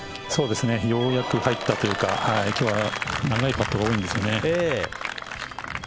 ようやく入ったというか今日は長いパットが多いんですよね。